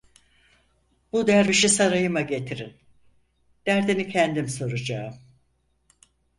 Bu dervişi sarayıma getirin, derdini kendim soracağım.